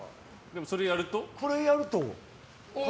これやると。